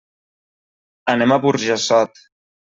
Anem a Burjassot.